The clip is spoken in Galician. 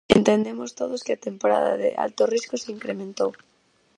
Entendemos todos que a temporada de alto risco se incrementou.